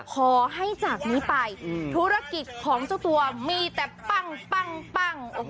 ขอให้จากนี้ไปธุรกิจของเจ้าตัวมีแต่ปั้ง